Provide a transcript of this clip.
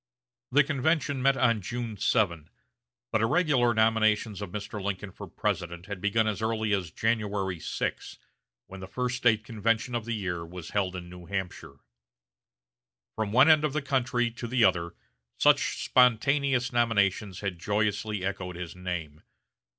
The convention met on June 7, but irregular nominations of Mr. Lincoln for President had begun as early as January 6, when the first State convention of the year was held in New Hampshire. From one end of the country to the other such spontaneous nominations had joyously echoed his name.